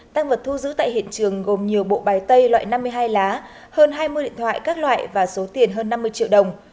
tăng vật thu giữ tại hiện trường gồm nhiều bộ bài tay loại năm mươi hai lá hơn hai mươi điện thoại các loại và số tiền hơn năm mươi triệu đồng